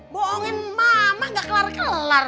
bohongin mama gak kelar kelar